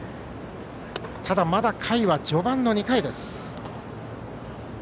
ただ、まだ回は序盤の２回です。